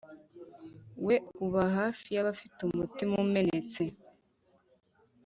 we uba hafi y abafite umutima umenetse